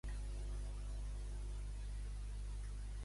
Per què es va haver de convertir Mbombo en el llamp?